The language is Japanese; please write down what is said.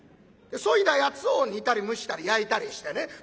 でそいだやつを煮たり蒸したり焼いたりしてね。